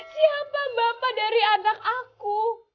siapa bapak dari anak aku